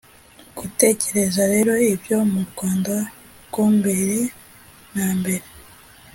gutekereza rero ibyo mu rwanda rwo mbere na mbere